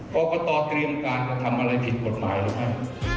กรกตเตรียมการกระทำอะไรผิดกฎหมายหรือไม่